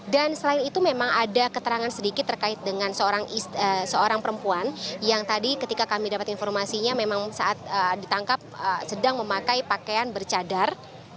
dan selain itu memang ada keterangan sedikit terkait dengan seorang perempuan yang tadi ketika kami dapat informasinya memang saat ditangkap sedang memakai pakaian bercadar